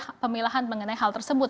ya pemilihan mengenai hal tersebut